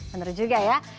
bener juga ya